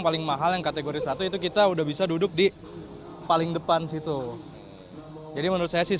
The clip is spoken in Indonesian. paling mahal yang kategori satu itu kita udah bisa duduk di paling depan situ jadi menurut saya sih